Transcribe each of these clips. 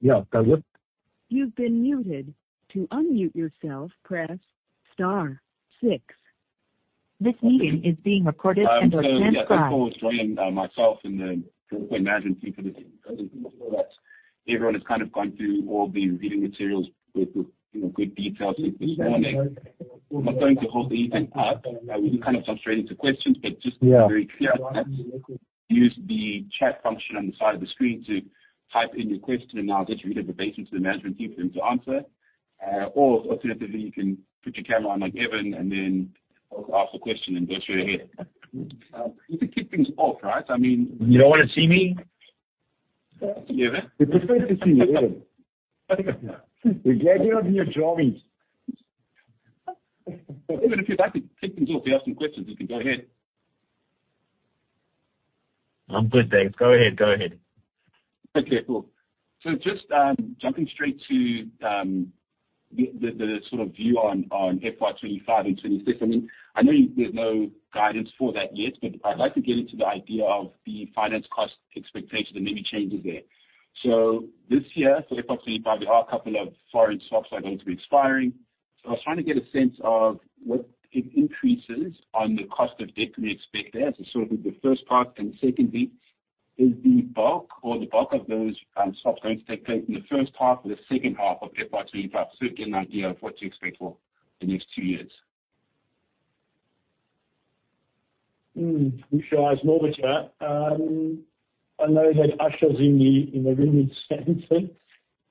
Yeah, goes good. You've been muted. To unmute yourself, press star six. This meeting is being recorded and/or transcribed. I'm calling with Joanne and myself and the Growthpoint management team for this evening so that everyone has kind of gone through all the reading materials with good detail since this morning. I'm not going to hold the evening up. We can kind of jump straight into questions, but just to be very clear, use the chat function on the side of the screen to type in your question, and I'll just read it verbatim to the management team for them to answer. Or alternatively, you can put your camera on like Evan and then ask a question and go straight ahead. You can keep things off, right? I mean. You don't want to see me? Yeah, that's. You prefer to see me, Evan. Yeah. Regret you're on your [drawings]. Evan, if you'd like to kick things off, if you have some questions, you can go ahead. I'm good, thanks. Go ahead. Go ahead. Okay, cool. So just jumping straight to the sort of view on FY 2025 and FY 2026. I mean, I know there's no guidance for that yet, but I'd like to get into the idea of the finance cost expectations and maybe changes there. So this year, for FY 2025, there are a couple of foreign swaps that are going to be expiring. So I was trying to get a sense of what increases on the cost of debt can we expect there. So sort of the first part and the second bit is the bulk of those swaps going to take place in the first half or the second half of FY 2025? So get an idea of what to expect for the next two years. It's Norbert. I know that [Asha's] in the room in a sense.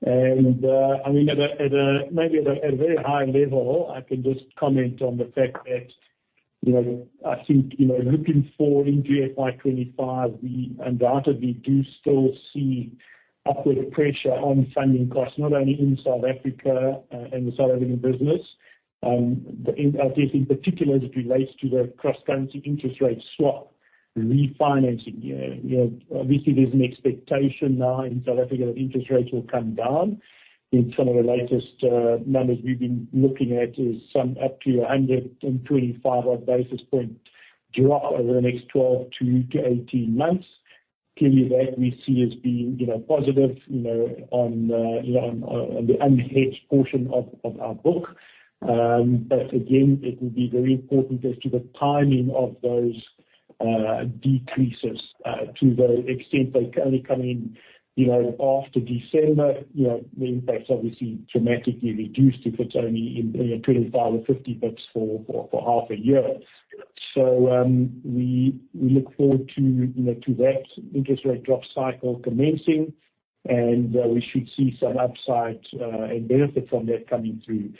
I mean, at a maybe at a very high level, I can just comment on the fact that I think looking forward into FY 2025, we undoubtedly do still see upward pressure on funding costs, not only in South Africa and the South African business, but I guess in particular as it relates to the cross-currency interest rate swap refinancing. Obviously, there's an expectation now in South Africa that interest rates will come down. In some of the latest numbers we've been looking at is some up to 125-odd basis point drop over the next 12-18 months. Clearly, that we see as being positive on the unhedged portion of our book. But again, it will be very important as to the timing of those decreases to the extent they're only coming in after December. The impact's obviously dramatically reduced if it's only 25 or 50 basis points for half a year. So we look forward to that interest rate drop cycle commencing, and we should see some upside and benefit from that coming through.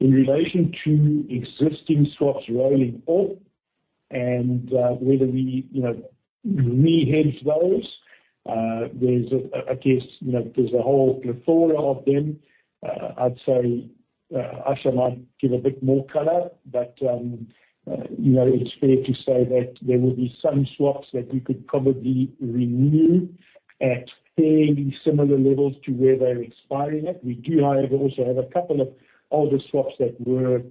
In relation to existing swaps rolling up and whether we rehedge those, I guess there's a whole plethora of them. I'd say [Asha] might give a bit more color, but it's fair to say that there will be some swaps that we could probably renew at fairly similar levels to where they're expiring at. We do, however, also have a couple of older swaps that were,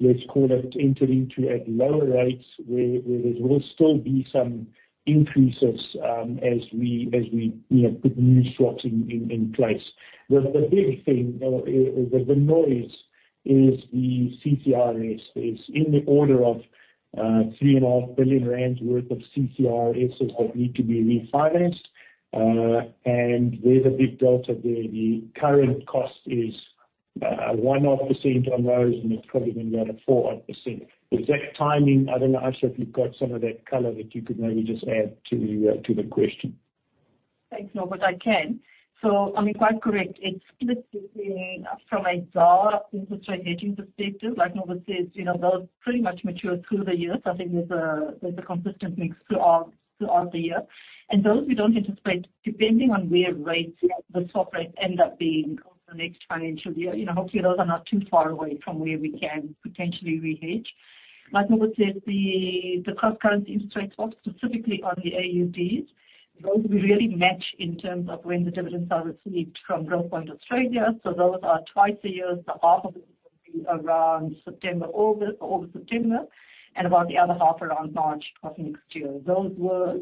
let's call it, entered into at lower rates where there will still be some increases as we put new swaps in place. The big thing or the noise is the CCIRS. There's in the order of 3.5 billion rand worth of CCIRSs that need to be refinanced, and there's a big delta there. The current cost is 1%-odd % on those, and it's probably going to be at a 4%-odd %. Exact timing, I don't know. [Asha] if you've got some of that color that you could maybe just add to the question. Thanks, Norbert. I can. So I mean, quite correct. It's split between from a debt interest rate hedging perspective, like Norbert says, those pretty much mature through the year. So I think there's a consistent mix throughout the year. And those we don't anticipate, depending on where the swap rates end up being over the next financial year. Hopefully, those are not too far away from where we can potentially rehedge. Like Norbert says, the cross-currency interest rate swaps, specifically on the AUDs, those we really match in terms of when the dividends are received from Growthpoint Australia. So those are twice a year. So half of them will be around September, August, or August, September, and about the other half around March of next year. Those were,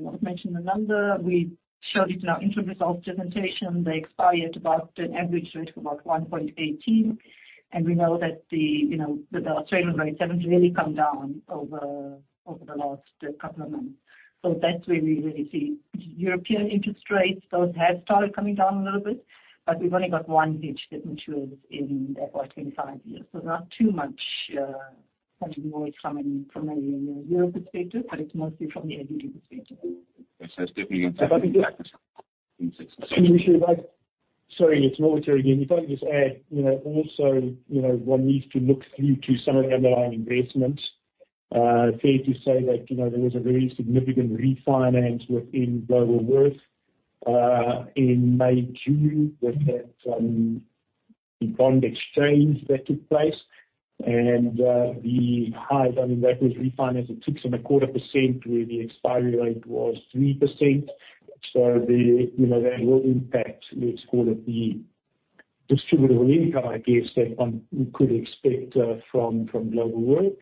not to mention the number. We showed it in our interim results presentation. They expire at about an average rate of about 1.18. We know that the Australian rates haven't really come down over the last couple of months. That's where we really see European interest rates. Those have started coming down a little bit, but we've only got one hedge that matures in FY 2025 years. Not too much kind of noise coming from a European perspective, but it's mostly from the AUD perspective. Yes, that's definitely going to take some impact as well. Sorry, it's Norbert here again. If I could just add, also, one needs to look through to some of the underlying investments. Fair to say that there was a very significant refinance within Globalworth in May, June, with that bond exchange that took place. And the high, I mean, that was refinanced at 6.25%, where the expiry rate was 3%. So that will impact, let's call it, the distributable income, I guess, that one could expect from Globalworth.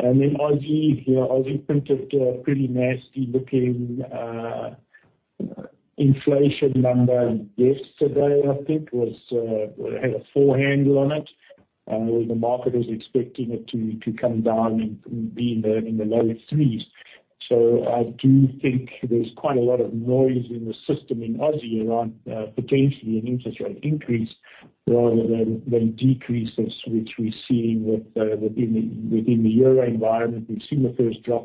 And then Aussie printed pretty nasty-looking inflation number yesterday, I think, had a four handle on it, where the market was expecting it to come down and be in the low 3s. So I do think there's quite a lot of noise in the system in Aussie around potentially an interest rate increase rather than decreases, which we're seeing within the euro environment. We've seen the first drop.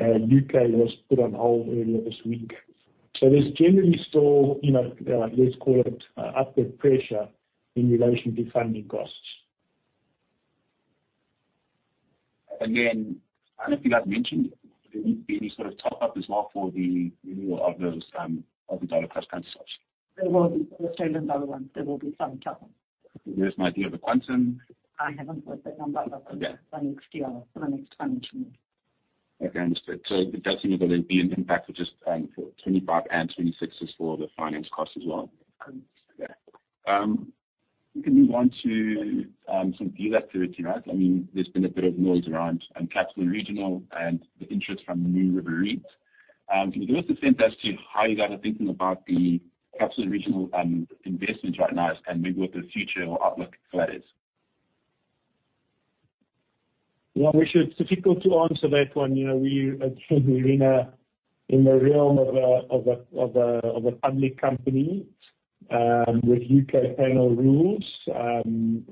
UK was put on hold earlier this week. So there's generally still, let's call it, upward pressure in relation to funding costs. And then I don't think I've mentioned there needs to be any sort of top-up as well for the renewal of those Aussie dollar cross-currency swaps. There will be Australian dollar ones. There will be some top-up. There's an idea of a quantum? I haven't got that number for the next year or for the next financial year. Okay, understood. It does seem as though there'll be an impact for just 2025 and 2026 just for the finance cost as well. Correct. Yeah. We can move on to some deal activity, right? I mean, there's been a bit of noise around Capital & Regional and the interest from NewRiver REIT. Can you give us a sense as to how you guys are thinking about the Capital & Regional investments right now and maybe what the future or outlook for that is? Yeah. It's difficult to answer that one. We're in the realm of a public company with U.K. panel rules,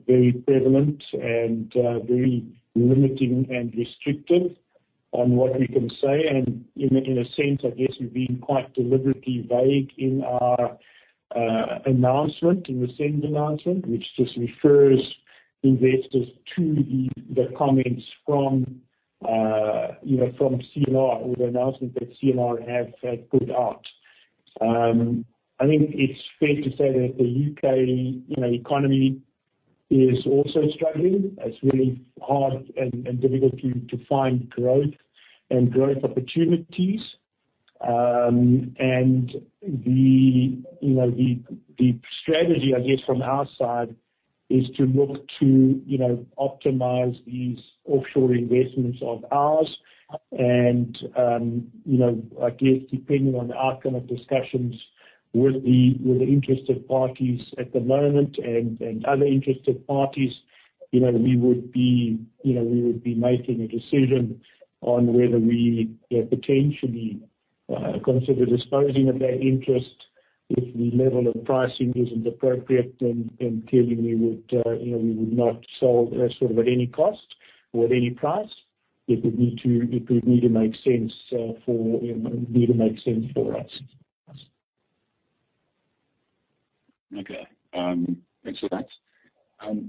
very prevalent and very limiting and restrictive on what we can say. And in a sense, I guess we've been quite deliberately vague in our announcement, in the SENS announcement, which just refers investors to the comments from CNR, or the announcement that CNR have put out. I think it's fair to say that the U.K. economy is also struggling. It's really hard and difficult to find growth and growth opportunities. And the strategy, I guess, from our side is to look to optimize these offshore investments of ours. I guess, depending on the outcome of discussions with the interested parties at the moment and other interested parties, we would be making a decision on whether we potentially consider disposing of that interest if the level of pricing isn't appropriate and clearly we would not sell sort of at any cost or at any price. It would need to make sense for it would need to make sense for us. Okay. Excellent.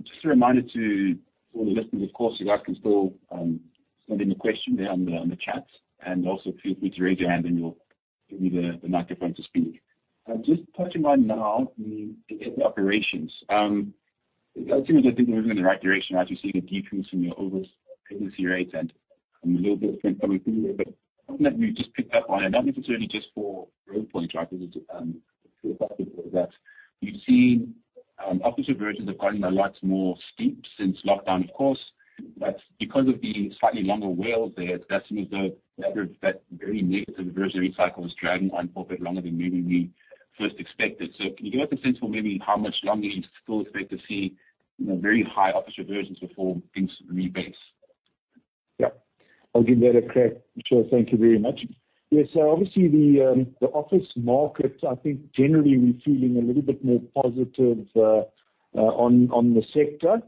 Just a reminder to all the listeners, of course, you guys can still send in a question there on the chat, and also feel free to raise your hand, and you'll give me the microphone to speak. Just touching on now, the operations. It does seem as though things are moving in the right direction as we're seeing a decrease in your overseas vacancy rates, and a little bit of spend coming through here. But something that we've just picked up on, and not necessarily just for Growthpoint, right, because it's still prevalent, is that we've seen office reversions are a lot more steep since lockdown, of course. That's because of the slightly longer tails there. It does seem as though that very negative reversionary cycle is dragging on for a bit longer than maybe we first expected. Can you give us a sense for maybe how much longer you still expect to see very high office vacancies before things abate? Yeah. I'll give that a crack. Sure. Thank you very much. Yes, so obviously, the office market, I think generally we're feeling a little bit more positive on the sector.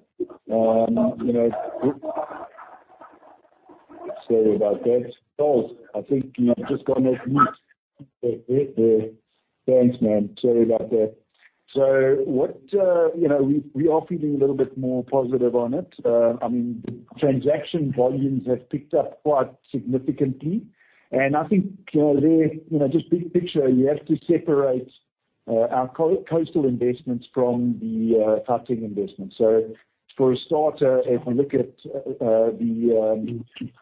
Sorry about that. I think I've just gone off mute. Thanks, man. Sorry about that. So we are feeling a little bit more positive on it. I mean, the transaction volumes have picked up quite significantly. And I think just big picture, you have to separate our coastal investments from the Gauteng investments. So for a starter, if we look at the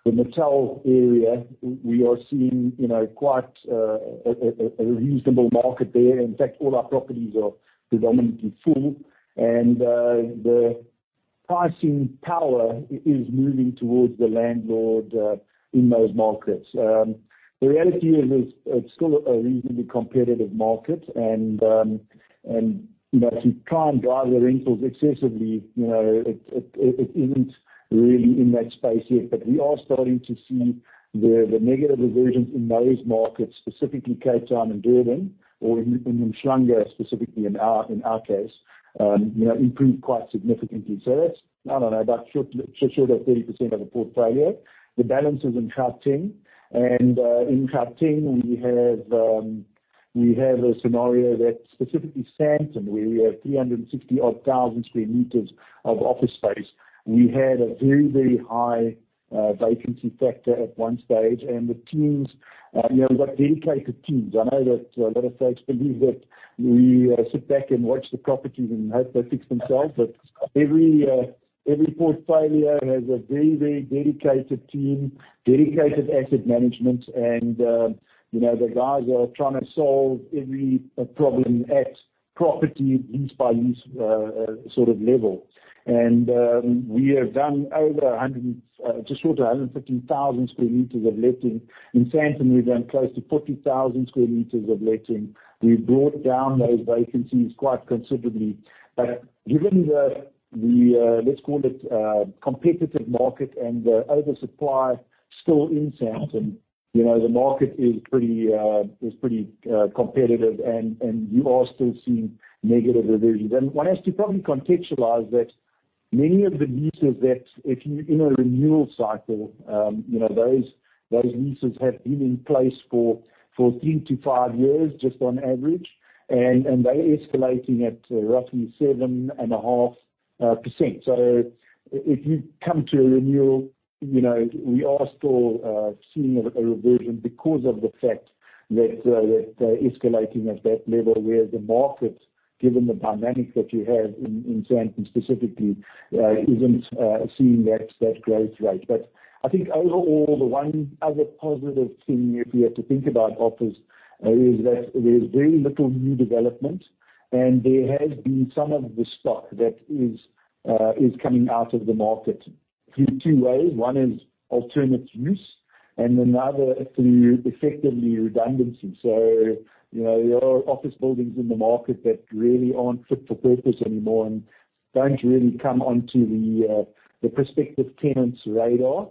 Natal area, we are seeing quite a reasonable market there. In fact, all our properties are predominantly full, and the pricing power is moving towards the landlord in those markets. The reality is it's still a reasonably competitive market, and to try and drive the rentals excessively, it isn't really in that space yet. But we are starting to see the negative reversions in those markets, specifically Cape Town and Durban, or in Umhlanga, specifically in our case, improve quite significantly. So that's, I don't know, about a third or 30% of the portfolio. The balance is in Gauteng, and in Gauteng, we have a scenario that specifically Sandton, where we have 360,000-odd sq m of office space. We had a very, very high vacancy factor at one stage, and the teams we've got dedicated teams. I know that a lot of folks believe that we sit back and watch the properties and hope they fix themselves, but every portfolio has a very, very dedicated team, dedicated asset management, and the guys are trying to solve every problem at property use-by-use sort of level. And we have done over just short of 115,000 sq m of letting. In Sandton, we've done close to 40,000 square meters of letting. We've brought down those vacancies quite considerably. But given the, let's call it, competitive market and the oversupply still in Sandton, the market is pretty competitive, and you are still seeing negative reversions. And one has to probably contextualize that many of the leases that if you're in a renewal cycle, those leases have been in place for three to five years just on average, and they're escalating at roughly 7.5%. So if you come to a renewal, we are still seeing a reversion because of the fact that they're escalating at that level, where the market, given the dynamic that you have in Sandton specifically, isn't seeing that growth rate. But I think overall, the one other positive thing if we have to think about offers is that there's very little new development, and there has been some of the stock that is coming out of the market through two ways. One is alternative use, and then the other through effectively redundancy. So there are office buildings in the market that really aren't fit for purpose anymore and don't really come onto the prospective tenants' radar.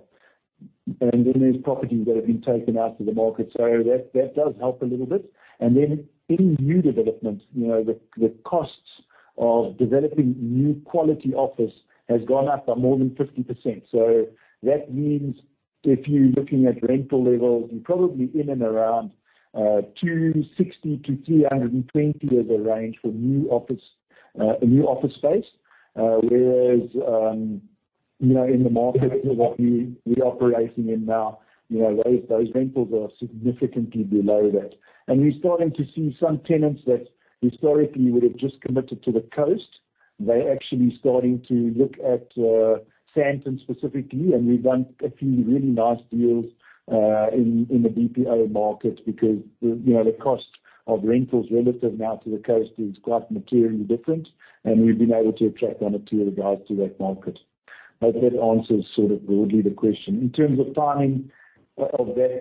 And then there's properties that have been taken out of the market. So that does help a little bit. And then in new development, the costs of developing new quality office has gone up by more than 50%. So that means if you're looking at rental levels, you're probably in and around 260-320 as a range for a new office space, whereas in the markets that we're operating in now, those rentals are significantly below that. And we're starting to see some tenants that historically would have just committed to the coast, they're actually starting to look at Sandton specifically, and we've done a few really nice deals in the BPO market because the cost of rentals relative now to the coast is quite materially different, and we've been able to attract on it too regards to that market. I hope that answers sort of broadly the question. In terms of timing of that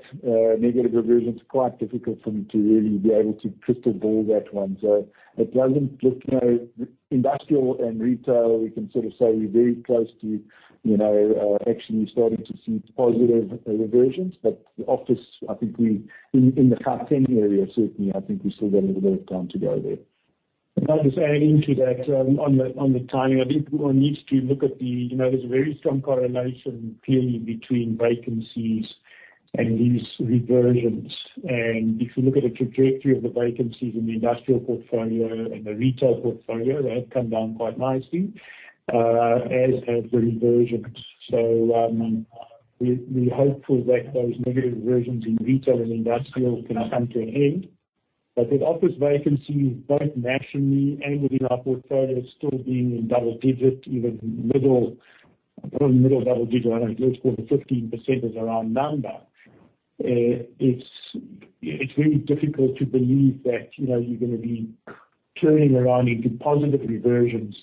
negative reversion, it's quite difficult for me to really be able to crystal ball that one. So it doesn't look industrial and retail, we can sort of say we're very close to actually starting to see positive reversions, but the office, I think in the Gauteng area, certainly, I think we've still got a little bit of time to go there. And I'll just add into that on the timing. I think one needs to look at, there's a very strong correlation clearly between vacancies and these reversions. And if you look at the trajectory of the vacancies in the industrial portfolio and the retail portfolio, they have come down quite nicely as have the reversions. So we're hopeful that those negative reversions in retail and industrial can come to an end. But with office vacancies both nationally and within our portfolio still being in double-digit, even middle double-digit, I don't know, let's call it 15% as our number, it's very difficult to believe that you're going to be turning around into positive reversions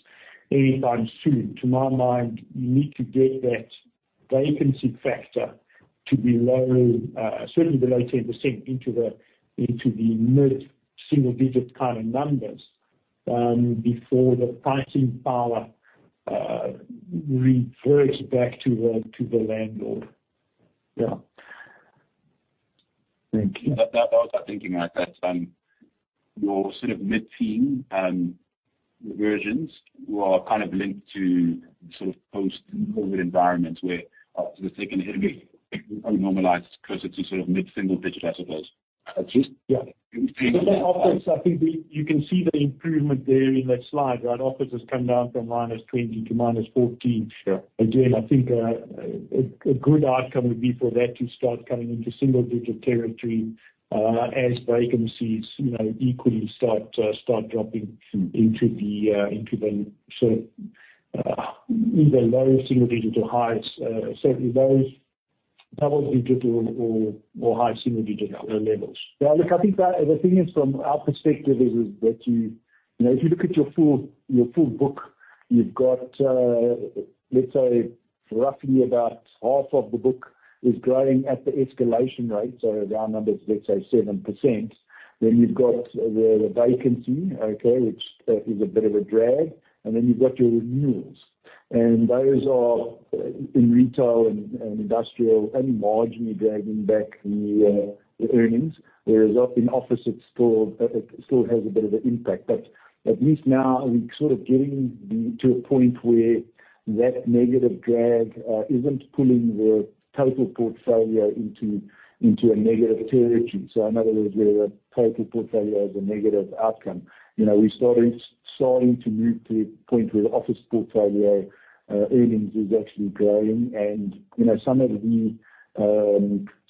anytime soon. To my mind, you need to get that vacancy factor to below, certainly below 10% into the mid single-digit kind of numbers before the pricing power reverts back to the landlord. Yeah. Thank you. That was my thinking, right, that your sort of mid-teen reversions were kind of linked to sort of post-COVID environments where office has taken a hit a bit and probably normalized closer to sort of mid-single-digit, I suppose. That's true. Yeah. Office I think you can see the improvement there in that slide, right? Office has come down from -20--14. Again, I think a good outcome would be for that to start coming into single digit territory as vacancies equally start dropping into the sort of either low single digit or high, certainly low double digit or high single digit levels. Yeah. Look, I think the thing is from our perspective is that if you look at your full book, you've got, let's say, roughly about half of the book is growing at the escalation rate, so our number is, let's say, 7%. Then you've got the vacancy, okay, which is a bit of a drag, and then you've got your renewals. And those are in retail and industrial, only marginally dragging back the earnings, whereas in office, it still has a bit of an impact. But at least now we're sort of getting to a point where that negative drag isn't pulling the total portfolio into a negative territory. So in other words, where the total portfolio has a negative outcome. We're starting to move to a point where the office portfolio earnings is actually growing, and some of the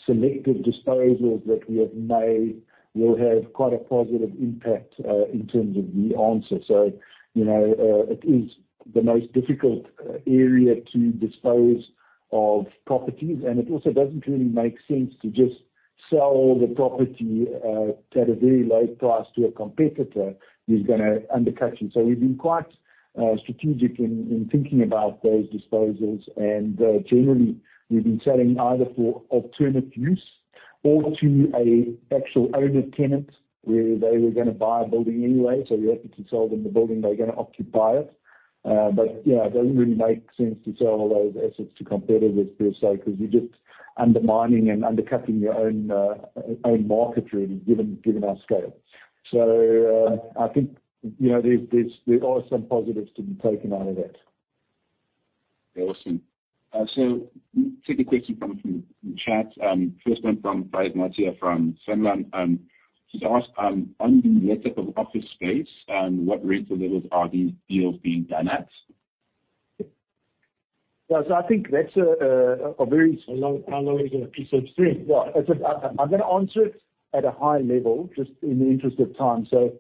selective disposals that we have made will have quite a positive impact in terms of the answer. So it is the most difficult area to dispose of properties, and it also doesn't really make sense to just sell the property at a very low price to a competitor who's going to undercut you. So we've been quite strategic in thinking about those disposals, and generally, we've been selling either for alternative use or to an actual owner-tenant where they were going to buy a building anyway, so we're happy to sell them the building they're going to occupy it. But yeah, it doesn't really make sense to sell all those assets to competitors per se because you're just undermining and undercutting your own market really, given our scale. I think there are some positives to be taken out of that. Awesome. So we'll take a question from the chat. First one from Fayyaz Mottiar from Sanlam. He's asked, on the network of office space, what rental levels are these deals being done at? Yeah. So I think that's a very long, unknown piece of string. I'm going to answer it at a high level just in the interest of time. So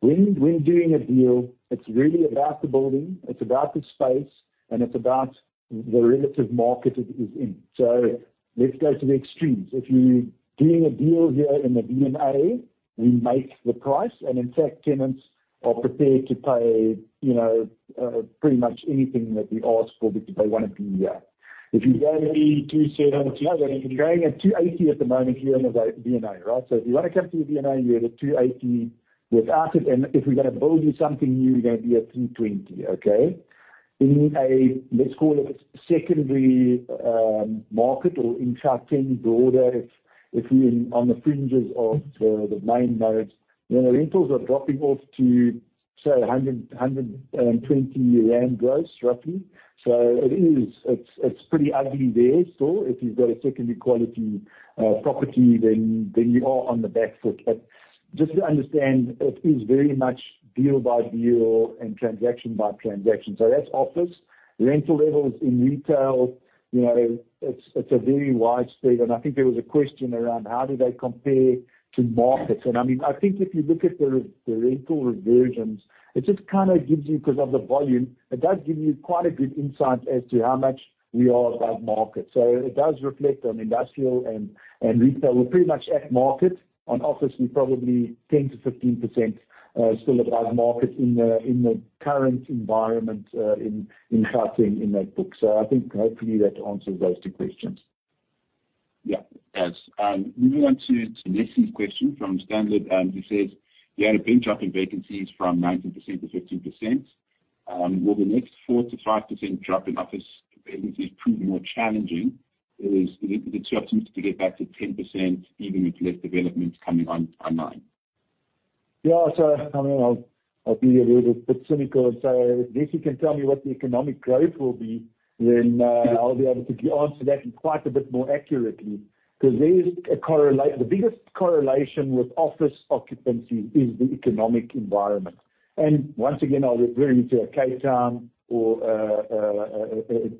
when doing a deal, it's really about the building, it's about the space, and it's about the relative market it is in. So let's go to the extremes. If you're doing a deal here in the V&A, we make the price, and in fact, tenants are prepared to pay pretty much anything that we ask for because they want to be there. If you're going to be ZAR 270, you're going to be paying at 280 at the moment here in the V&A, right? So if you want to come to the V&A, you're at 280 without it, and if we're going to build you something new, you're going to be at 320, okay? In a, let's call it, secondary market or in Gauteng, broader, if we're on the fringes of the main nodes, rentals are dropping off to, say, 120 rand gross, roughly. So it is, it's pretty ugly there still. If you've got a secondary quality property, then you are on the back foot. But just to understand, it is very much deal by deal and transaction by transaction. So that's office. Rental levels in retail, it's a very wide spread, and I think there was a question around how do they compare to markets. And I mean, I think if you look at the rental reversions, it just kind of gives you, because of the volume, it does give you quite a good insight as to how much we are above market. So it does reflect on industrial and retail. We're pretty much at market. On office, we're probably 10%-15% still above market in the current environment in Gauteng in that book. So I think hopefully that answers those two questions. Yeah. Thanks. Moving on to Nesi's question from Standard. He says, "Yeah, the benchmarking vacancies from 19% to 15%. Will the next 4%-5% drop in office vacancies prove more challenging? Is it too optimistic to get back to 10% even with less developments coming online? Yeah. So I mean, I'll be a little bit cynical and say, if Nesi can tell me what the economic growth will be, then I'll be able to answer that quite a bit more accurately because there's a correlation. The biggest correlation with office occupancy is the economic environment. And once again, I'll refer you to a Cape Town or a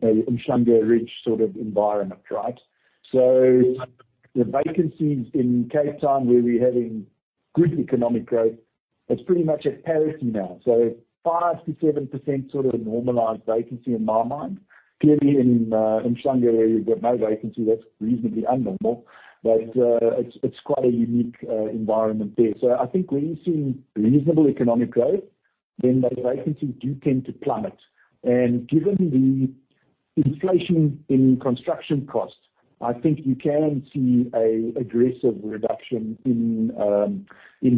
Umhlanga Ridge sort of environment, right? So the vacancies in Cape Town where we're having good economic growth, it's pretty much a parity now. So 5%-7% sort of a normalized vacancy in my mind. Clearly, in Umhlanga, where you've got no vacancy, that's reasonably abnormal, but it's quite a unique environment there. So I think when you're seeing reasonable economic growth, then those vacancies do tend to plummet. Given the inflation in construction costs, I think you can see an aggressive reduction in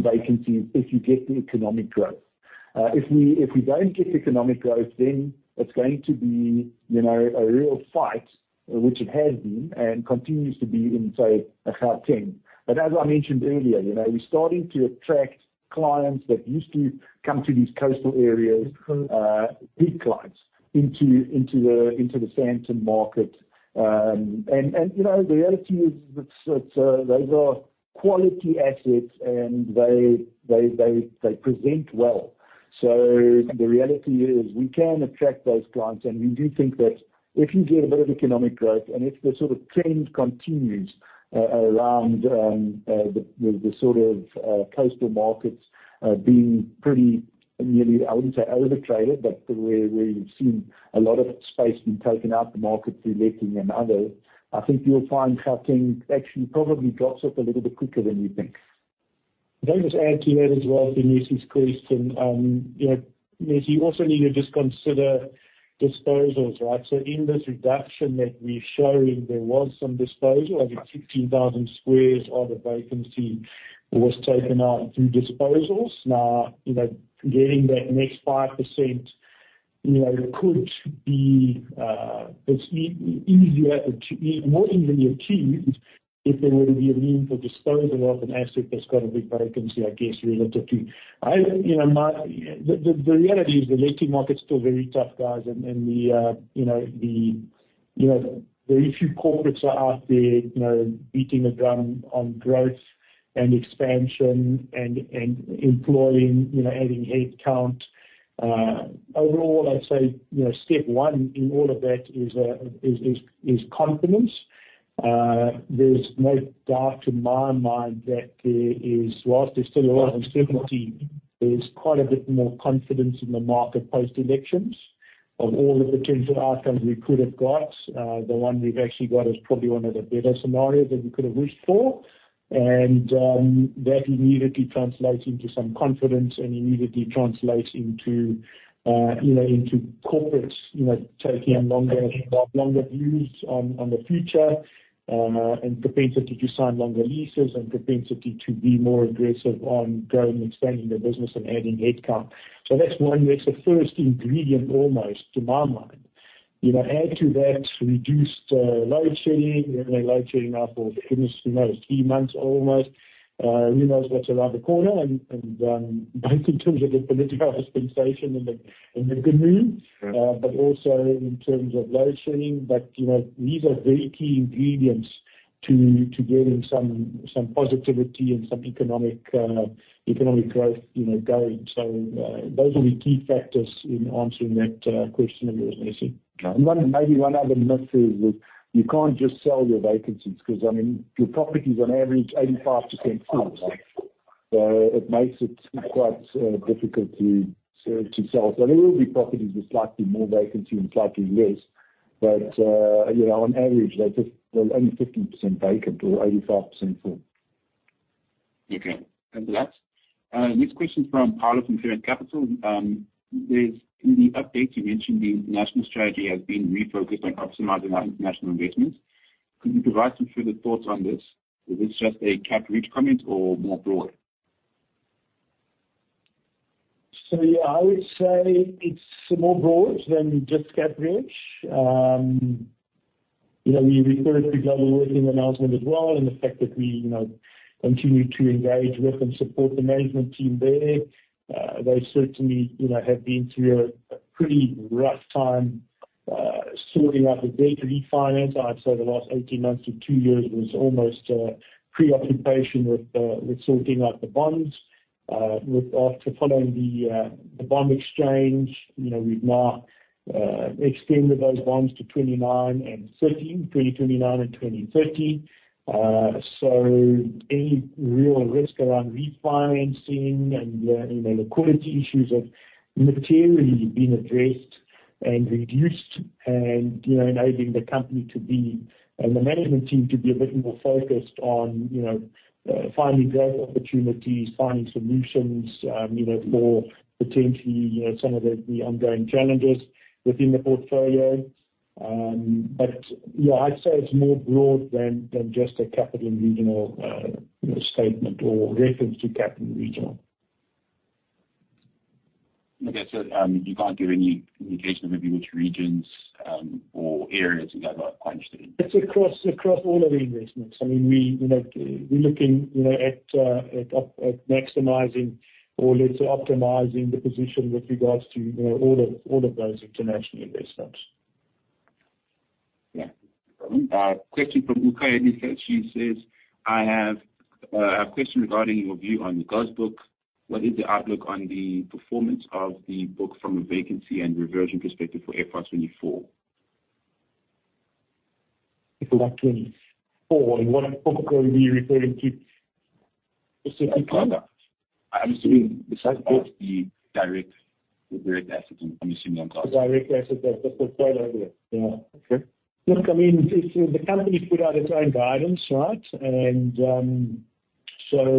vacancies if you get the economic growth. If we don't get economic growth, then it's going to be a real fight, which it has been and continues to be in, say, Gauteng. But as I mentioned earlier, we're starting to attract clients that used to come to these coastal areas, big clients, into the Sandton market. And the reality is that those are quality assets, and they present well. So the reality is we can attract those clients, and we do think that if you get a bit of economic growth, and if the sort of trend continues around the sort of coastal markets being pretty nearly, I wouldn't say overtraded, but where you've seen a lot of space being taken out of the market through letting and other, I think you'll find Gauteng actually probably drops off a little bit quicker than you think. I'll just add to that as well to Nesi's question. Nesi, you also need to just consider disposals, right? So in this reduction that we're showing, there was some disposal, I think 15,000 squares of a vacancy was taken out through disposals. Now, getting that next 5% could be easier or more easily achieved if there were to be a meaningful disposal of an asset that's got a big vacancy, I guess, relatively. The reality is the letting market's still very tough, guys, and the very few corporates are out there beating the drum on growth and expansion and employing, adding headcount. Overall, I'd say step one in all of that is confidence. There's no doubt in my mind that there is, whilst there's still a lot of uncertainty, there's quite a bit more confidence in the market post-elections of all the potential outcomes we could have got. The one we've actually got is probably one of the better scenarios that we could have wished for, and that immediately translates into some confidence, and immediately translates into corporates taking longer views on the future and propensity to sign longer leases and propensity to be more aggressive on growing and expanding their business and adding headcount. So that's the first ingredient almost to my mind. Add to that reduced load shedding; we're only load shedding now for, goodness, who knows, three months almost. Who knows what's around the corner, both in terms of the political dispensation and the good news, but also in terms of load shedding. But these are very key ingredients to getting some positivity and some economic growth going. So those will be key factors in answering that question of yours, Nesi. Maybe one other message is you can't just sell your vacancies because, I mean, your property's on average 85% full, right? It makes it quite difficult to sell. There will be properties with slightly more vacancy and slightly less, but on average, they're just only 15% vacant or 85% full. Okay. Thanks for that. Next question from Paolo from Clarence Capital. There's, in the update, you mentioned the capital strategy has been refocused on optimizing our international investments. Could you provide some further thoughts on this? Is this just a CapEx comment or more broad? So yeah, I would say it's more broad than just Capital & Regional. We referred to the Globalworth announcement as well and the fact that we continue to engage with and support the management team there. They certainly have been through a pretty rough time sorting out the debt refinance. I'd say the last 18 months to two years was almost preoccupation with sorting out the bonds. After following the bond exchange, we've now extended those bonds to 2029 and 2030. So any real risk around refinancing and liquidity issues have materially been addressed and reduced, enabling the company to be and the management team to be a bit more focused on finding growth opportunities, finding solutions for potentially some of the ongoing challenges within the portfolio. But yeah, I'd say it's more broad than just a Capital & Regional statement or reference to Capital & Regional. Okay. So you can't give any indication of maybe which regions or areas you guys are quite interested in? It's across all of the investments. I mean, we're looking at maximizing or let's say optimizing the position with regards to all of those international investments. Yeah. No problem. Question from Rukayah Nyide. She says, "I have a question regarding your view on the GOZ book. What is the outlook on the performance of the book from a vacancy and reversion perspective for FY 2024? If that means fall, what book are we referring to specifically? I'm assuming besides the direct asset, I'm assuming on GOZ. The direct asset, that's the first over there. Yeah. Okay. Look, I mean, the company's put out its own guidance, right? And so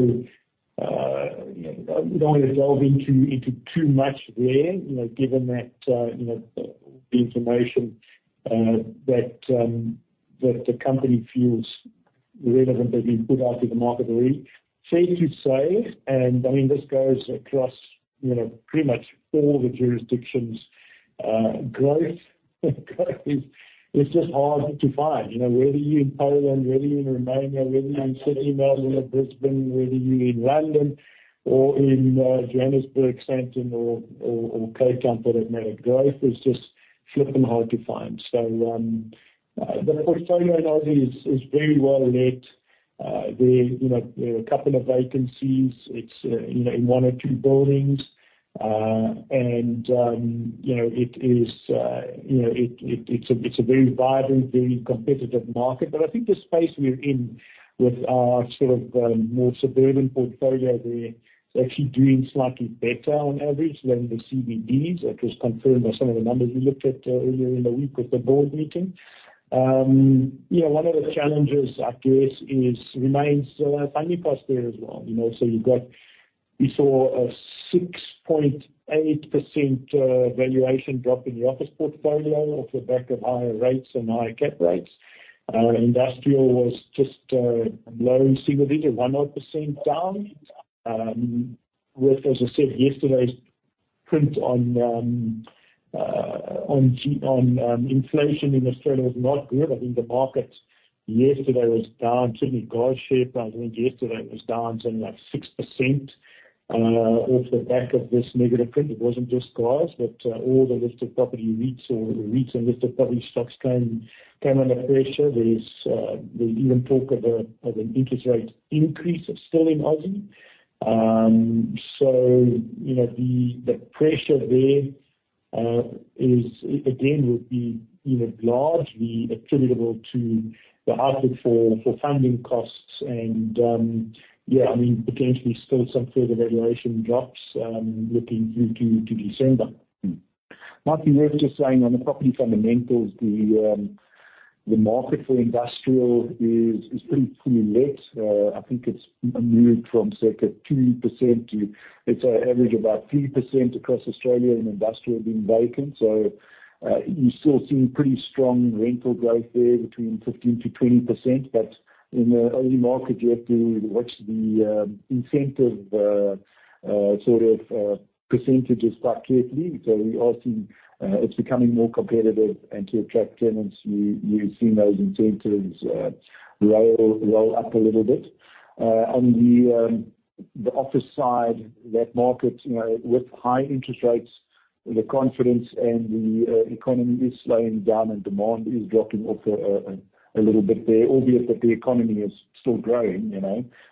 we don't want to delve into too much there given that the information that the company feels relevant has been put out to the market already. Fair to say, and I mean, this goes across pretty much all the jurisdictions, growth is just hard to find. Whether you're in Poland, whether you're in Romania, whether you're in Sydney, Melbourne, or Brisbane, whether you're in London or in Johannesburg, Sandton or Cape Town, for that matter, growth is just flipping hard to find. So the portfolio in Aussie is very well lit. There are a couple of vacancies. It's in one or two buildings, and it is, it's a very vibrant, very competitive market. But I think the space we're in with our sort of more suburban portfolio there, it's actually doing slightly better on average than the CBDs, which was confirmed by some of the numbers we looked at earlier in the week with the board meeting. One of the challenges, I guess, remains funding costs there as well. So you saw a 6.8% valuation drop in the office portfolio off the back of higher rates and higher cap rates. Industrial was just low. Single digits, 1.0% down. With, as I said, yesterday's print on inflation in Australia was not good. I think the market yesterday was down. Certainly, GOZ share price, I think yesterday was down something like 6% off the back of this negative print. It wasn't just GOZ, but all the listed property REITs or REITs and listed property stocks came under pressure. There's even talk of an interest rate increase still in Aussie. So the pressure there is, again, would be largely attributable to the outlook for funding costs and, yeah, I mean, potentially still some further valuation drops looking through to December. Martin, worth just saying on the property fundamentals, the market for industrial is pretty fully let. I think it's moved from circa 2% to, it's an average of about 3% across Australia in industrial being vacant. So you're still seeing pretty strong rental growth there between 15%-20%. But in the Aussie market, you have to watch the incentive sort of percentages quite carefully. So we are seeing it's becoming more competitive and to attract tenants, you're seeing those incentives roll up a little bit. On the office side, that market with high interest rates, the confidence and the economy is slowing down and demand is dropping off a little bit there, albeit that the economy is still growing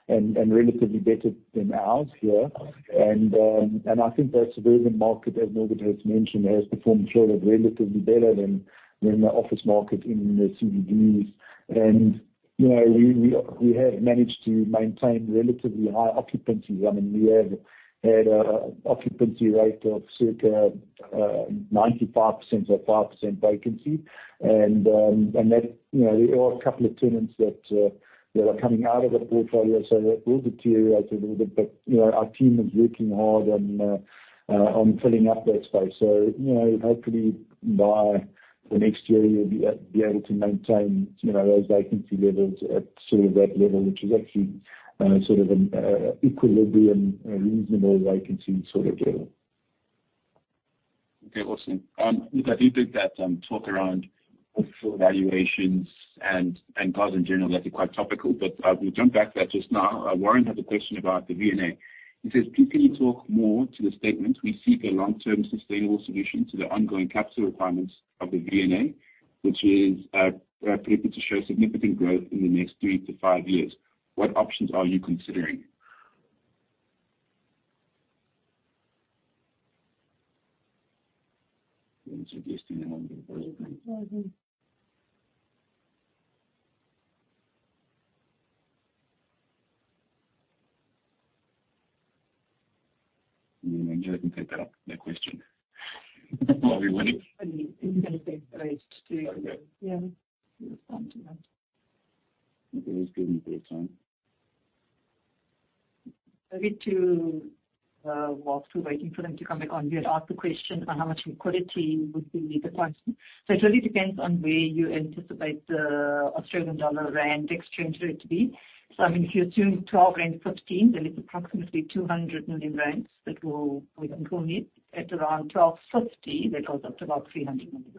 and relatively better than ours here. I think the suburban market, as Norbert has mentioned, has performed relatively better than the office market in the CBDs. And we have managed to maintain relatively high occupancy. I mean, we have had an occupancy rate of circa 95%-5% vacancy. And there are a couple of tenants that are coming out of the portfolio, so that will deteriorate a little bit. But our team is working hard on filling up that space. So hopefully by the next year, we'll be able to maintain those vacancy levels at sort of that level, which is actually sort of an equilibrium, reasonable vacancy sort of level. Okay. Awesome. Norbert, I did take that talk around office valuations and GOZ in general. That's quite topical, but we'll jump back to that just now. Warren has a question about the V&A. He says, "Please can you talk more to the statement, 'We seek a long-term sustainable solution to the ongoing capital requirements of the V&A, which is predicted to show significant growth in the next three to five years.' What options are you considering?" Yeah, I know they can take that up, that question. Are we ready? If you're going to be able to do it, yeah, you respond to that. Okay. Let's give them a bit of time. Maybe to Mark for waiting for them to come back on. We had asked the question on how much liquidity would be the price. So it really depends on where you anticipate the Australian dollar/rand exchange rate to be. So I mean, if you're assuming 12.15, then it's approximately 200 million rands that we're going to need. At around 12.50, that goes up to about 300 million.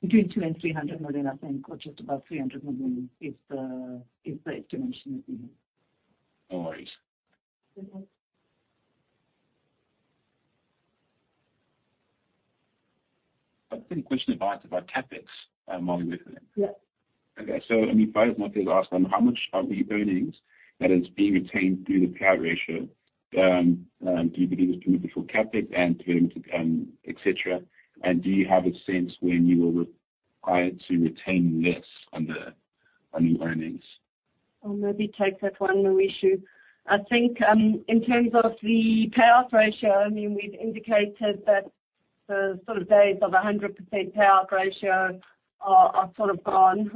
Between 200 million and 300 million, I think, or just about 300 million is the estimation that we have. No worries. I've got a question about CapEx, Moneyweb. Yeah. Okay. So I mean, [private market] has asked, "How much are the earnings that are being retained through the payout ratio? Do you believe it's too much for CapEx and too much etc.? And do you have a sense when you were required to retain less on the new earnings? I'll maybe take that one for you. I think in terms of the payout ratio, I mean, we've indicated that the sort of days of 100% payout ratio are sort of gone.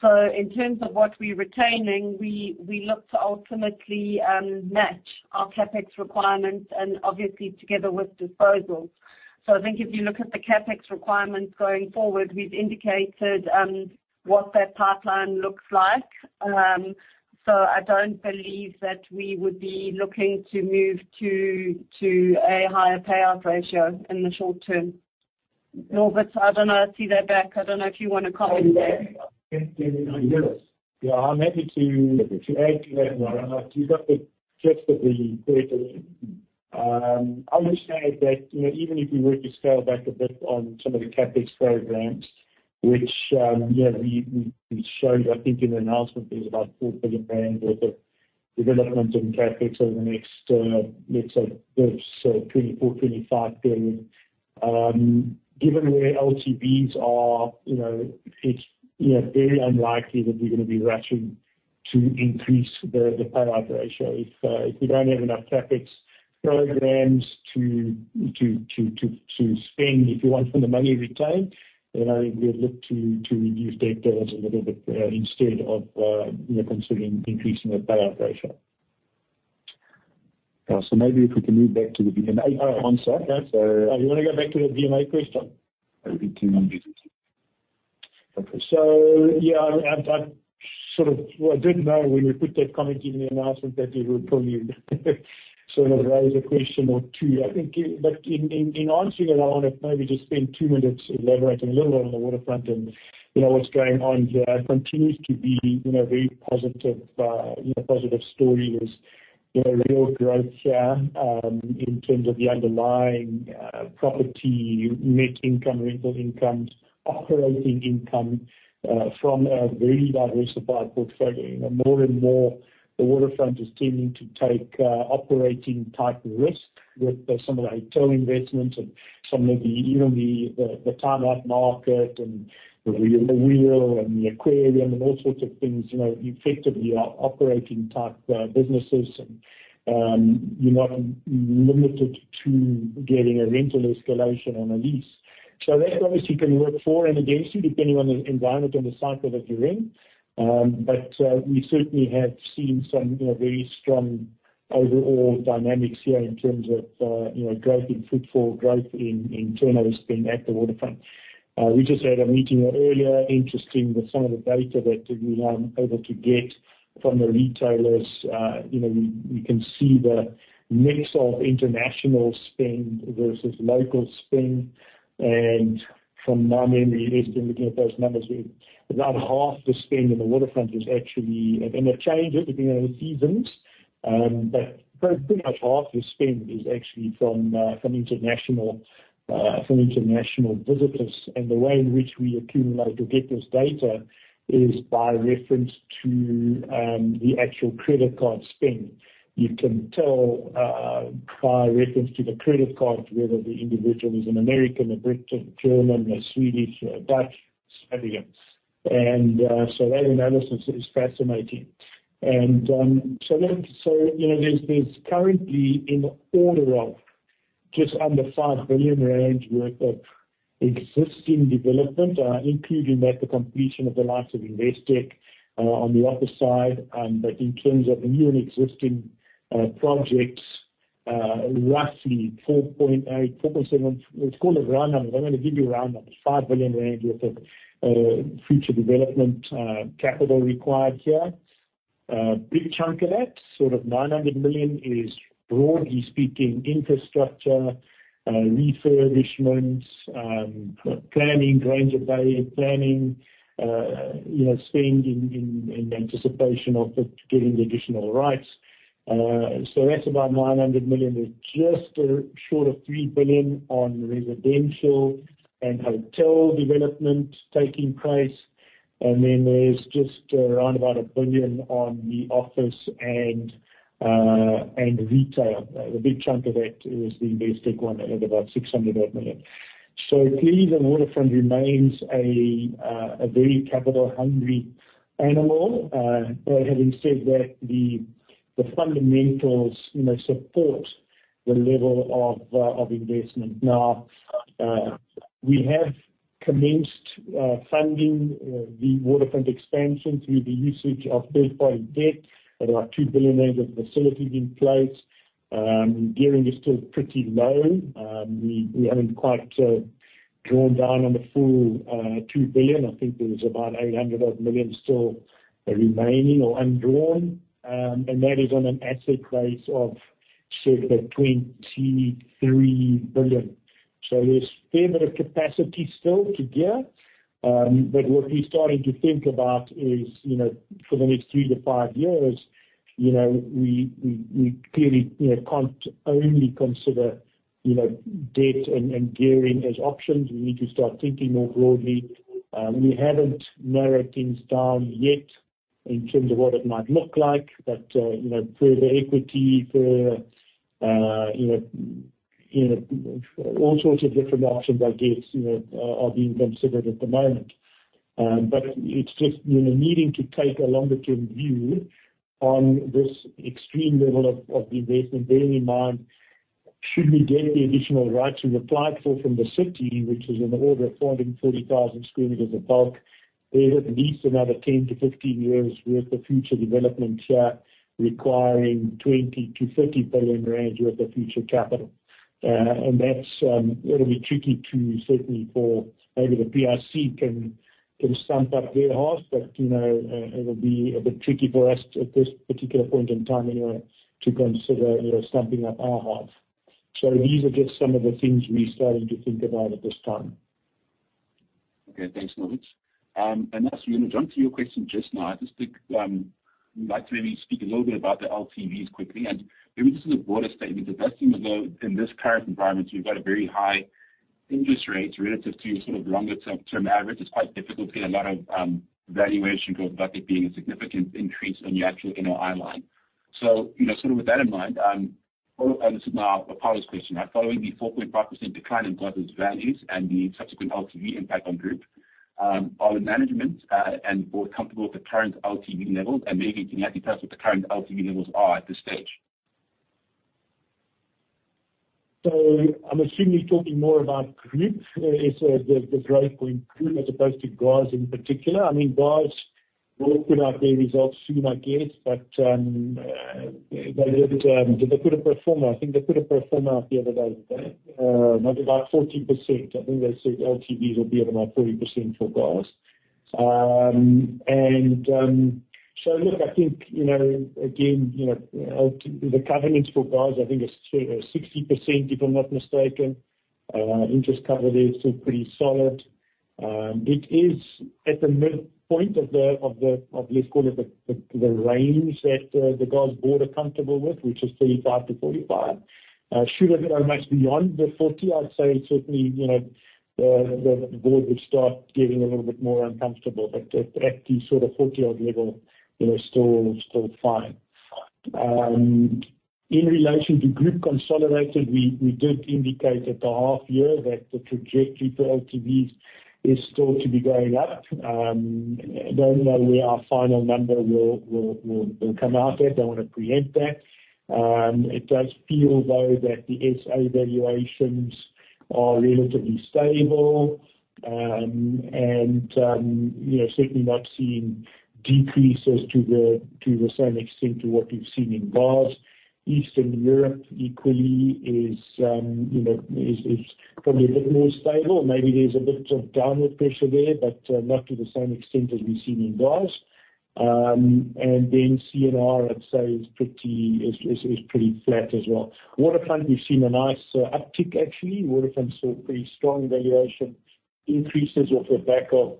So in terms of what we're retaining, we look to ultimately match our CapEx requirements and obviously together with disposals. So I think if you look at the CapEx requirements going forward, we've indicated what that pipeline looks like. So I don't believe that we would be looking to move to a higher payout ratio in the short term. Norbert, I don't know. I see that back. I don't know if you want to comment there. Yes. Yeah. I'm happy to add to that. I do love the gist of the question. I would say that even if we were to scale back a bit on some of the CapEx programs, which we showed, I think in the announcement, there's about 4 billion rand worth of development in CapEx over the next, let's say, 2024-2025 period. Given where LTVs are, it's very unlikely that we're going to be rushing to increase the payout ratio. If we don't have enough CapEx programs to spend, if you want some of the money retained, we'd look to reduce debt payouts a little bit instead of considering increasing the payout ratio. Maybe if we can move back to the V&A answer. You want to go back to the V&A question? Over to you, Norbert. Okay. So yeah, I sort of, well, I did know when we put that comment in the announcement that it would probably sort of raise a question or two. But in answering it, I want to maybe just spend two minutes elaborating a little bit on the waterfront and what's going on here. It continues to be a very positive story: real growth here in terms of the underlying property net income, rental income, operating income from a very diversified portfolio. More and more, the waterfront is tending to take operating-type risk with some of the hotel investments and some of, even the Time Out Market and the wheel and the aquarium and all sorts of things. Effectively, operating-type businesses, and you're not limited to getting a rental escalation on a lease. So that obviously can work for and against you depending on the environment and the cycle that you're in. But we certainly have seen some very strong overall dynamics here in terms of growth in footfall, growth in turnover spend at the waterfront. We just had a meeting earlier, interesting, with some of the data that we are able to get from the retailers. We can see the mix of international spend versus local spend. And from my memory, as we're looking at those numbers, about half the spend in the waterfront is actually, and it changes depending on the seasons. But pretty much half the spend is actually from international visitors. And the way in which we accumulate or get this data is by reference to the actual credit card spend. You can tell by reference to the credit cards whether the individual is an American, a Brit, a German, a Swedish, a Dutch, somebody else. And so that analysis is fascinating. And so there's currently, in order of just under 5 billion worth of existing development, including the completion of the likes of Investec on the upper side. But in terms of new and existing projects, roughly 4.8 billion, 4.7 billion, let's call it round numbers. I'm going to give you round numbers, 5 billion rand worth of future development capital required here. Big chunk of that, sort of 900 million, is broadly speaking infrastructure, refurbishments, planning, drainage-advanced planning, spending in anticipation of getting the additional rights. So that's about 900 million. We're just short of 3 billion on residential and hotel development taking place. And then there's just around about 1 billion on the office and retail. The big chunk of that is the Investec one at about 600 million. So clearly, the waterfront remains a very capital-hungry animal. But having said that, the fundamentals support the level of investment. Now, we have commenced funding the waterfront expansion through the usage of third-party debt. There are 2 billion of facilities in place. Gearing is still pretty low. We haven't quite drawn down on the full 2 billion. I think there's about 800 million still remaining or undrawn. And that is on an asset base of circa 23 billion. So there's fair bit of capacity still to gear. But what we're starting to think about is, for the next three to five years, we clearly can't only consider debt and gearing as options. We need to start thinking more broadly. We haven't narrowed things down yet in terms of what it might look like. But further equity, further all sorts of different options, I guess, are being considered at the moment. But it's just needing to take a longer-term view on this extreme level of the investment, bearing in mind, should we get the additional rights we've applied for from the city, which is an order of 440,000 square meters of bulk, there's at least another 10 to 15 years' worth of future development here requiring 20 billion-30 billion rand worth of future capital. And that'll be tricky too, certainly, for maybe the PIC can stump up their halves, but it'll be a bit tricky for us at this particular point in time anyway to consider stumping up our halves. So these are just some of the things we're starting to think about at this time. Okay. Thanks, Norbert. And that's really jumped to your question just now. I'd just like to maybe speak a little bit about the LTVs quickly. And maybe just as a broader statement, it does seem as though in this current environment, we've got a very high interest rate relative to sort of longer-term average. It's quite difficult to get a lot of valuation growth without there being a significant increase on your actual NOI line. So sort of with that in mind, this is now a Polish question. Following the 4.5% decline in GOZ's values and the subsequent LTV impact on Group, are the management and board comfortable with the current LTV levels? And maybe can you actually tell us what the current LTV levels are at this stage? So I'm assuming you're talking more about Group, the growth in Group as opposed to GOZ in particular. I mean, GOZ, we'll put out their results soon, I guess, but they did a performance. I think they put a performance out the other day, wasn't it? About 40%. I think they said LTVs will be at about 40% for GOZ. And so look, I think, again, the covenants for GOZ, I think it's 60%, if I'm not mistaken. Interest cover there is still pretty solid. It is at the midpoint of, let's call it, the range that the GOZ board are comfortable with, which is 35%-45%. Should it go much beyond the 40%, I'd say certainly the board would start getting a little bit more uncomfortable. But at the sort of 40-odd level, still fine. In relation to Group Consolidated, we did indicate at the half year that the trajectory for LTVs is still to be going up. I don't know where our final number will come out at. I want to preempt that. It does feel, though, that the SA valuations are relatively stable and certainly not seeing decreases to the same extent to what we've seen in GOZ. Eastern Europe equally is probably a bit more stable. Maybe there's a bit of downward pressure there, but not to the same extent as we've seen in GOZ. And then CNR, I'd say, is pretty flat as well. Waterfront, we've seen a nice uptick, actually. Waterfront saw pretty strong valuation increases off the back of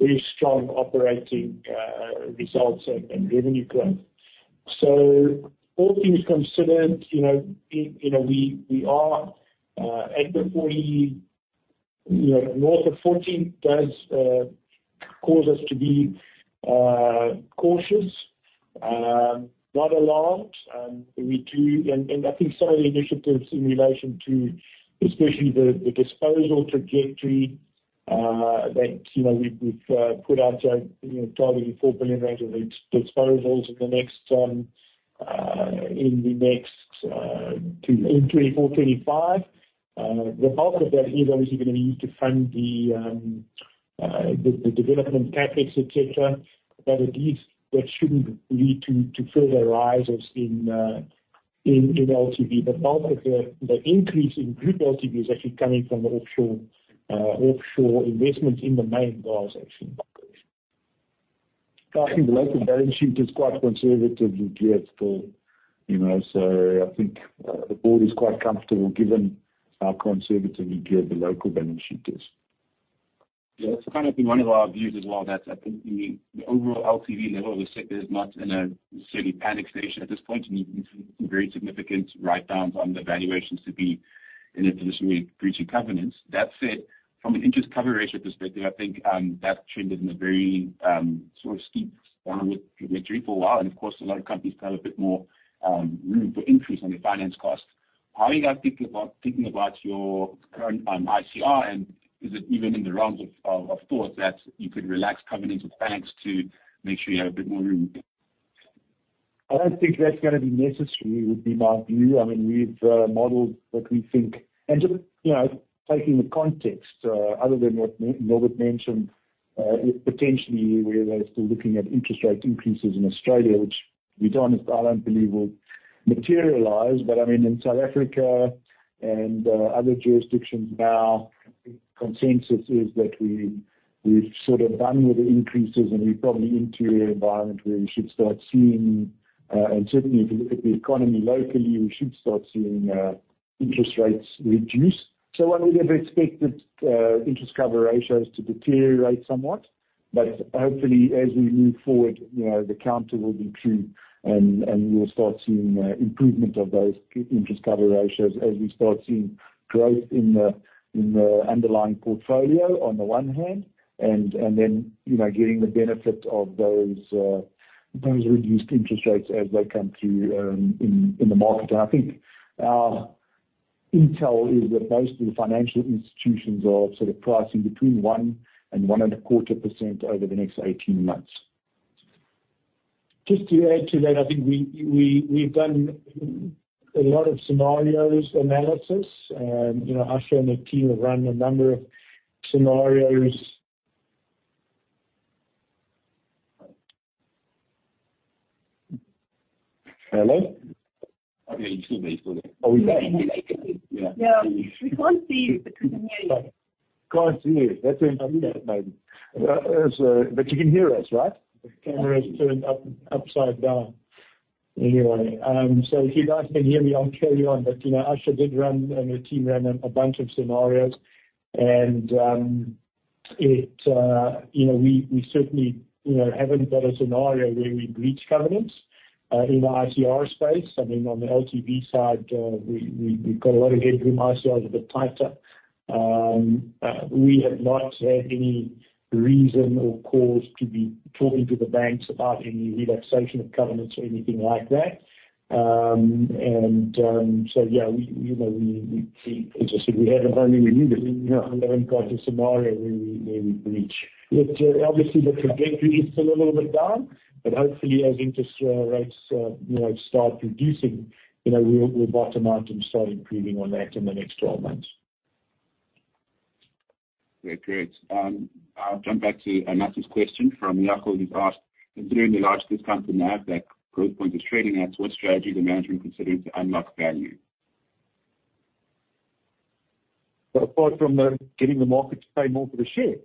very strong operating results and revenue growth. So all things considered, we are at the 40 north of 40 does cause us to be cautious, not alarmed. And I think some of the initiatives in relation to especially the disposal trajectory that we've put out there, targeting 4 billion rand of disposals in the next 2024, 2025. The bulk of that is obviously going to be used to fund the development CapEx, etc. But that shouldn't lead to further rises in LTV. The bulk of the increase in Group LTV is actually coming from offshore investments in the main GOZ, actually. I think the local balance sheet is quite conservatively geared still. So I think the board is quite comfortable given how conservatively geared the local balance sheet is. Yeah. It's kind of been one of our views as well that I think the overall LTV level of the sector is not in a necessarily panic stage at this point. We've seen very significant write-downs on the valuations to be in a position where we're breaching covenants. That said, from an interest cover ratio perspective, I think that trend has been very sort of steep downward trajectory for a while. And of course, a lot of companies have a bit more room for increase on their finance costs. How are you guys thinking about your current ICR? Is it even in the realms of thought that you could relax covenants with banks to make sure you have a bit more room? I don't think that's going to be necessary, would be my view. I mean, we've modeled what we think. And just taking the context, other than what Norbert mentioned, potentially we're still looking at interest rate increases in Australia, which to be honest, I don't believe will materialize. But I mean, in South Africa and other jurisdictions now, consensus is that we've sort of done with the increases and we're probably into an environment where we should start seeing, and certainly if the economy locally, we should start seeing interest rates reduce. So I would have expected interest cover ratios to deteriorate somewhat. But hopefully, as we move forward, the counter will be true and we'll start seeing improvement of those interest cover ratios as we start seeing growth in the underlying portfolio on the one hand, and then getting the benefit of those reduced interest rates as they come through in the market. And I think our intel is that most of the financial institutions are sort of pricing between 1%-1.25% over the next 18 months. Just to add to that, I think we've done a lot of scenarios analysis. Asher and the team have run a number of scenarios. Hello? Yeah, you still there? You still there? Oh, we're back. Yeah. We can't see you because the mirror is off. Can't see you. That's why you're muted, maybe. But you can hear us, right? The camera's turned upside down. Anyway, so if you guys can hear me, I'll carry on. But Asher did run and the team ran a bunch of scenarios. And we certainly haven't got a scenario where we breach covenants in the ICR space. I mean, on the LTV side, we've got a lot of headroom. ICR is a bit tighter. We have not had any reason or cause to be talking to the banks about any relaxation of covenants or anything like that. And so yeah, we interested. We haven't only we knew this. We haven't got a scenario where we breach. It's obviously the trajectory is still a little bit down. But hopefully, as interest rates start reducing, we'll bottom out and start improving on that in the next 12 months. Great. Great. I'll jump back to Matthew's question from Jaco, who's asked, considering the large discounted NAV that Growthpoint is trading at, what strategy is the management considering to unlock value? Apart from getting the market to pay more for the share,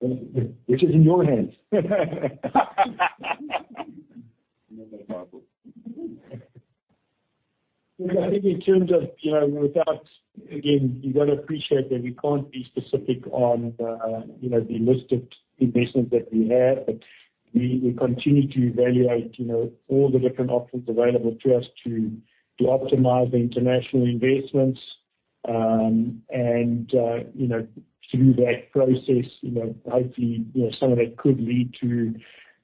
which is in your hands. I think in terms of without, again, you've got to appreciate that we can't be specific on the listed investments that we have. But we continue to evaluate all the different options available to us to optimize international investments. And through that process, hopefully, some of that could lead to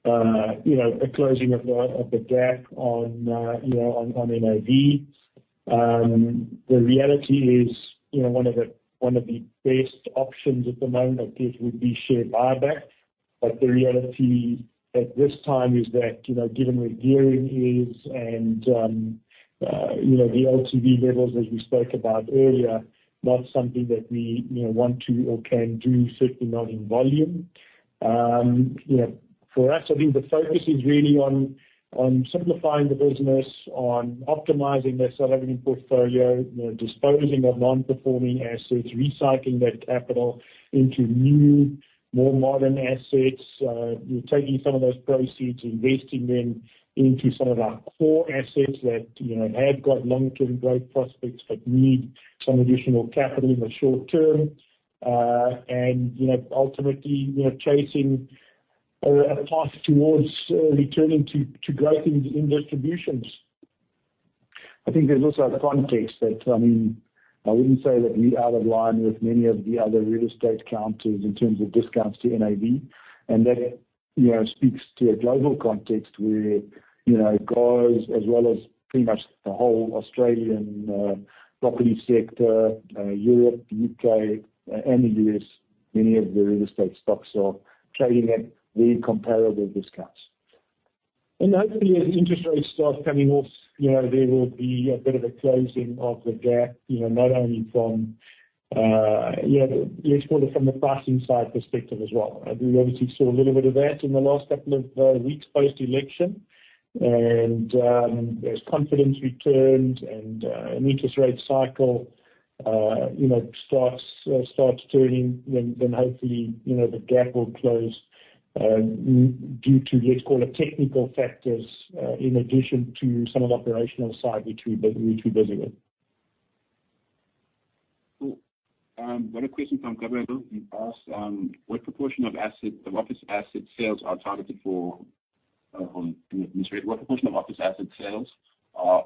a closing of the gap on NAV. The reality is one of the best options at the moment, I guess, would be share buyback. But the reality at this time is that given where gearing is and the LTV levels, as we spoke about earlier, not something that we want to or can do, certainly not in volume. For us, I think the focus is really on simplifying the business, on optimizing their retail portfolio, disposing of non-performing assets, recycling that capital into new, more modern assets, taking some of those proceeds, investing them into some of our core assets that have got long-term growth prospects but need some additional capital in the short term. And ultimately, chasing a path towards returning to growth in distributions. I think there's also a context that, I mean, I wouldn't say that we're out of line with many of the other real estate counters in terms of discounts to NAV. And that speaks to a global context where GOZ, as well as pretty much the whole Australian property sector, Europe, the U.K., and the U.S., many of the real estate stocks are trading at very comparable discounts. Hopefully, as interest rates start coming off, there will be a bit of a closing of the gap, not only from, let's call it, from the pricing side perspective as well. We obviously saw a little bit of that in the last couple of weeks post-election. As confidence returns and an interest rate cycle starts turning, then hopefully, the gap will close due to, let's call it, technical factors in addition to some of the operational side which we're busy with. Got a question from Gabriel who asked, what proportion of office asset sales are targeted for? What proportion of office asset sales are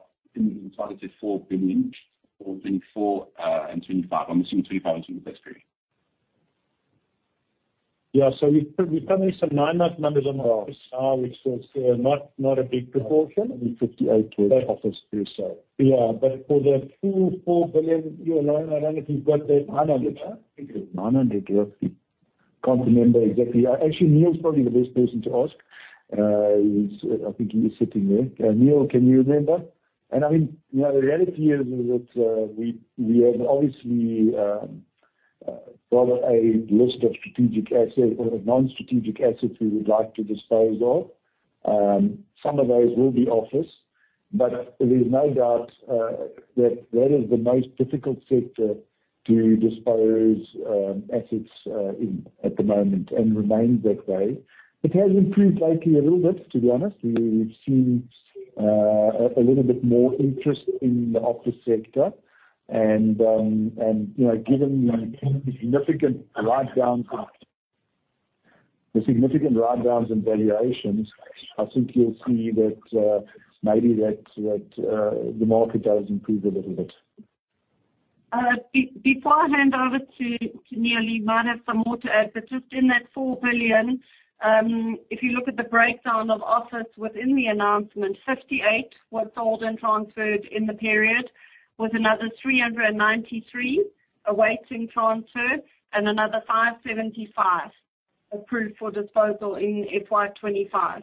targeted for FY 2024 and 2025? I'm assuming 2025 and 2026. Yeah. So we've published some [nine] numbers on the office, which was not a big proportion. Probably 58 towards the office, too, so. Yeah. But for the true 4 billion, you're [lying around] if you've got that. 900. 900, roughly. Can't remember exactly. Actually, Neil's probably the best person to ask. I think he is sitting there. Neil, can you remember? And I mean, the reality is that we have obviously got a list of non-strategic assets we would like to dispose of. Some of those will be office. But there's no doubt that that is the most difficult sector to dispose assets in at the moment and remains that way. It has improved lately a little bit, to be honest. We've seen a little bit more interest in the office sector. And given the significant write-downs in valuations, I think you'll see that maybe the market does improve a little bit. Before I hand over to Neil, you might have some more to add. But just in that 4 billion, if you look at the breakdown of office within the announcement, 58 were sold and transferred in the period, with another 393 awaiting transfer and another 575 approved for disposal in FY 2025.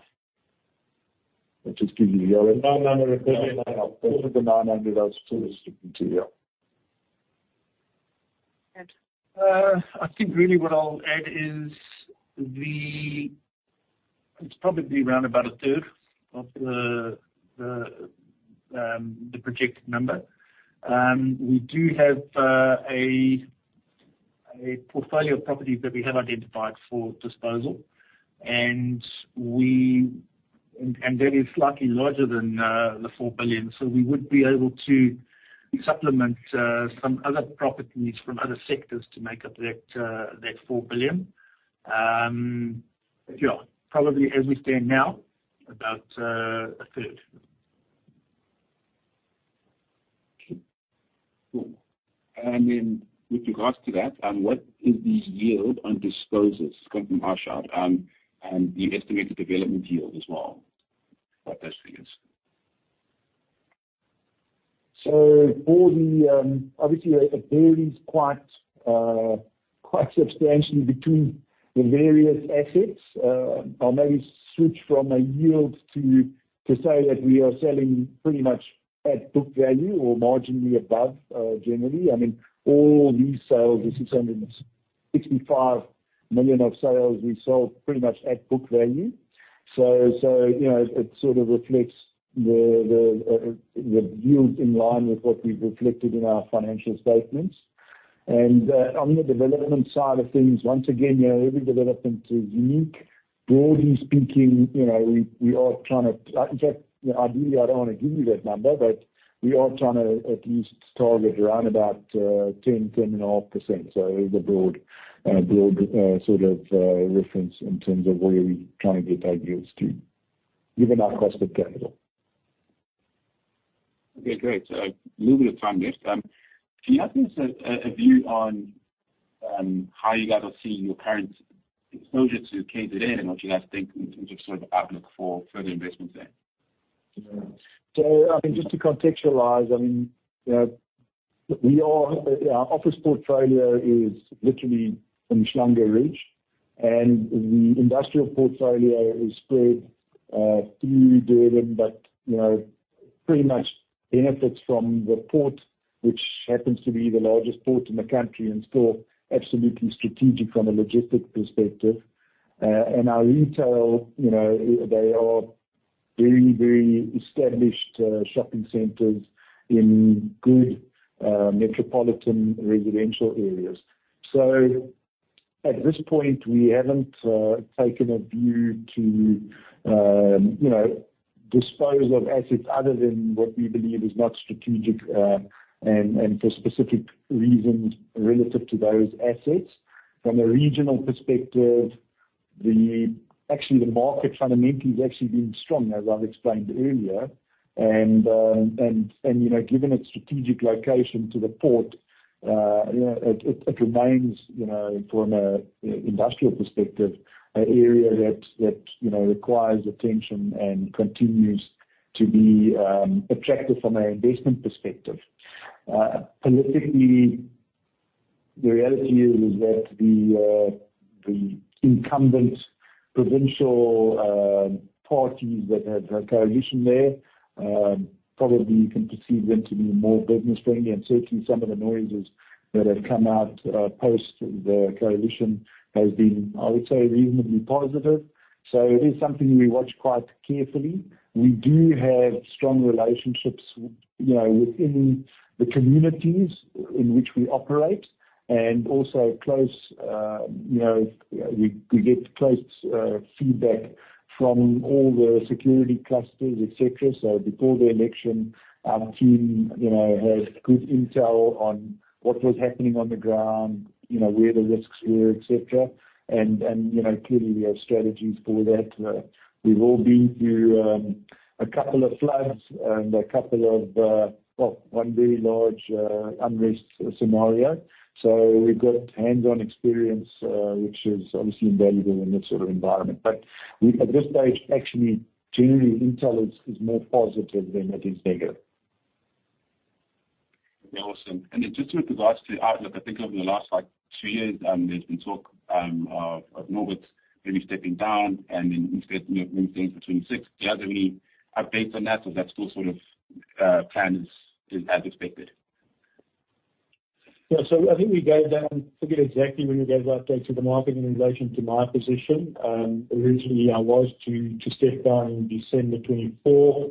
Just give you the other 900. Yeah. Of the 900, I was still listening to you. Good. I think really what I'll add is it's probably around about a third of the projected number. We do have a portfolio of properties that we have identified for disposal. That is slightly larger than the 4 billion. We would be able to supplement some other properties from other sectors to make up that 4 billion. Yeah. Probably as we stand now, about a third. Cool. And then with regards to that, what is the yield on disposals? It's come from Asher. And the estimated development yield as well. What those figures? So obviously, it varies quite substantially between the various assets. I'll maybe switch from a yield to say that we are selling pretty much at book value or marginally above, generally. I mean, all these sales, the 665 million of sales we sold pretty much at book value. So it sort of reflects the yield in line with what we've reflected in our financial statements. And on the development side of things, once again, every development is unique. Broadly speaking, we are trying to in fact, ideally, I don't want to give you that number, but we are trying to at least target around about 10%-10.5%. So it is a broad sort of reference in terms of where we're trying to get our yields to, given our cost of capital. Okay. Great. So moving to the next. Can you give me a view on how you guys are seeing your current exposure to KZN and what you guys think in terms of sort of outlook for further investments there? So I mean, just to contextualize, I mean, our office portfolio is literally from Umhlanga Ridge. And the industrial portfolio is spread through Durban, but pretty much benefits from the port, which happens to be the largest port in the country and still absolutely strategic from a logistic perspective. And our retail, they are very, very established shopping centers in good metropolitan residential areas. So at this point, we haven't taken a view to dispose of assets other than what we believe is not strategic and for specific reasons relative to those assets. From a regional perspective, actually, the market fundamentally has actually been strong, as I've explained earlier. And given its strategic location to the port, it remains, from an industrial perspective, an area that requires attention and continues to be attractive from an investment perspective. Politically, the reality is that the incumbent provincial parties that have had coalition there, probably you can perceive them to be more business-friendly. Certainly, some of the noises that have come out post the coalition have been, I would say, reasonably positive. It is something we watch quite carefully. We do have strong relationships within the communities in which we operate and also we get close feedback from all the security clusters, etc. Before the election, our team had good intel on what was happening on the ground, where the risks were, etc. Clearly, we have strategies for that. We've all been through a couple of floods and a couple of, well, one very large unrest scenario. We've got hands-on experience, which is obviously invaluable in this sort of environment. But at this stage, actually, generally, intel is more positive than it is negative. Okay. Awesome. And then just with regards to outlook, I think over the last two years, there's been talk of Norbert's maybe stepping down and then moving forward for 2026. Do you guys have any updates on that? Or is that still sort of planned as expected? Yeah. So I think we gave that. I forget exactly when we gave the update to the market in relation to my position. Originally, I was to step down in December 2024.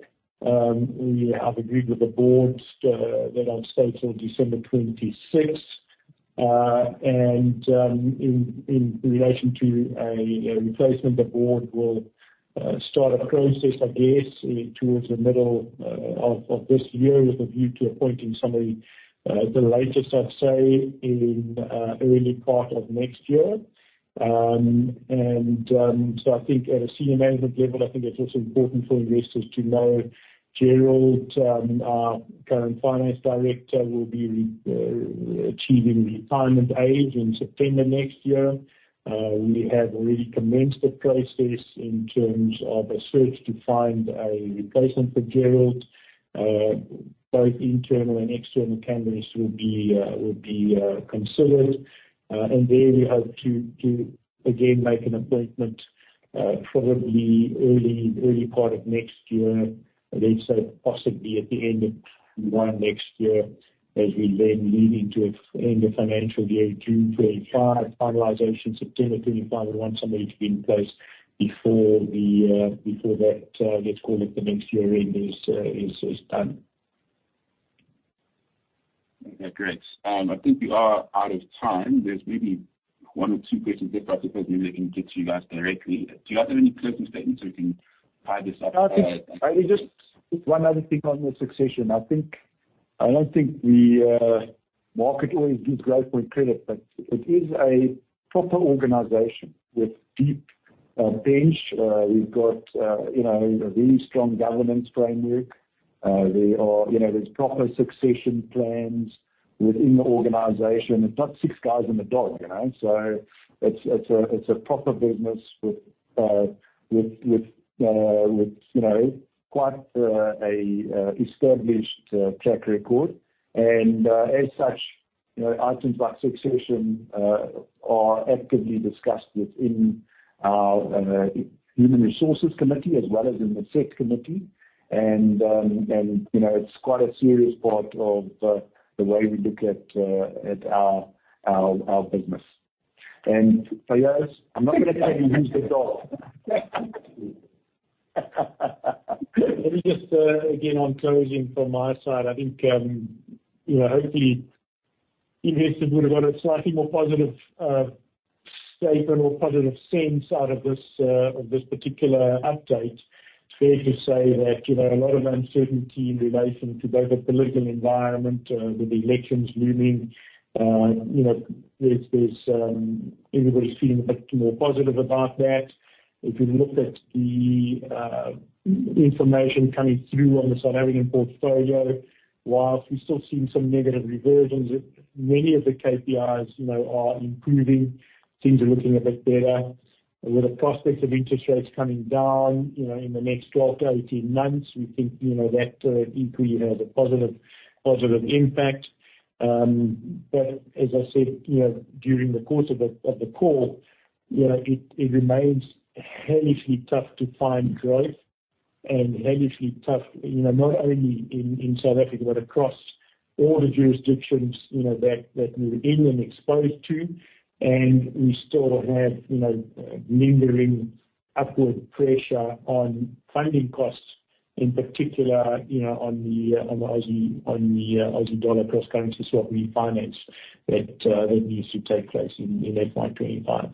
We have agreed with the board that I'm staying till December 2026. In relation to a replacement, the board will start a process, I guess, towards the middle of this year with a view to appointing somebody the latest, I'd say, in early part of next year. So I think at a senior management level, I think it's also important for investors to know Gerald, our current Finance Director, will be achieving retirement age in September next year. We have already commenced the process in terms of a search to find a replacement for Gerald. Both internal and external candidates will be considered. There we hope to, again, make an appointment probably early part of next year, let's say possibly at the end of Q1 next year, as we then lead into the end of financial year, June 2025, finalization September 2025. We want somebody to be in place before that, let's call it, the next year end is done. Okay. Great. I think we are out of time. There's maybe one or two questions left for us before we maybe can get to you guys directly. Do you guys have any closing statements so we can tie this up? I think just one other thing on the succession. I don't think the market always gives Growthpoint credit, but it is a proper organization with a deep bench. We've got a very strong governance framework. There's proper succession plans within the organization. It's not six guys and a dog. So it's a proper business with quite an established track record. And as such, items like succession are actively discussed within our Human Resources Committee as well as in the SET Committee. And it's quite a serious part of the way we look at our business. And Fayyaz, I'm not going to tell you who's the dog. Just again, on closing from my side, I think hopefully investors would have got a slightly more positive statement or positive sense out of this particular update. Fair to say that a lot of uncertainty in relation to both the political environment with the elections looming. Everybody's feeling a bit more positive about that. If you look at the information coming through on the SA non-office portfolio, whilst we're still seeing some negative reversions, many of the KPIs are improving. Things are looking a bit better. With the prospect of interest rates coming down in the next 12-18 months, we think that equally has a positive impact. But as I said, during the course of the call, it remains hellishly tough to find growth and hellishly tough, not only in South Africa but across all the jurisdictions that we're in and exposed to. We still have lingering upward pressure on funding costs, in particular on the Aussie dollar cross currency swap refinance that needs to take place in FY 2025.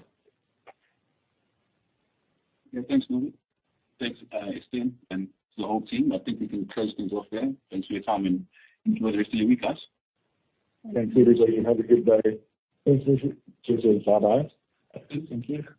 Okay. Thanks, Norbert. Thanks, Estienne. And to the whole team. I think we can close things off there. Thanks for your time and enjoy the rest of your week, guys. Thanks, everybody. Have a good day. Thanks, Richard. Cheers, everybody. Bye-bye. Thank you.